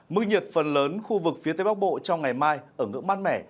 mức nhiệt phần lớn khu vực phía tây bắc bộ trong ngày mai ở ngưỡng mát mẻ